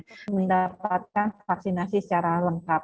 untuk mendapatkan vaksinasi secara lengkap